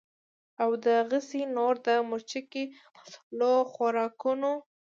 او دغسې نور د مرچکي مصالو خوراکونه